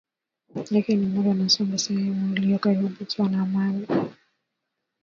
yake ya muda akasonga sehemu iliyo karibu akiwa na imani